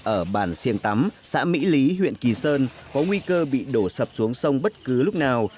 ở bản siêng tắm xã mỹ lý huyện kỳ sơn có nguy cơ bị đổ sập xuống sông bất cứ lúc nào